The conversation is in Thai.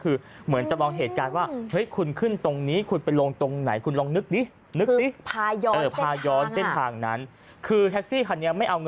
คือเหมือนจะลองเหตุการณ์ว่าเฮ้ยคุณขึ้นตรงนี้คุณไปลงตรงไหนคุณลองนึกดิ